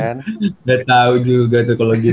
udah tau juga tuh kalo gitu